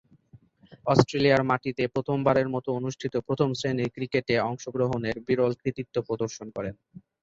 অস্ট্রেলিয়ার মাটিতে প্রথমবারের মতো অনুষ্ঠিত প্রথম-শ্রেণীর ক্রিকেটে অংশগ্রহণের বিরল কৃতিত্ব প্রদর্শন করেন।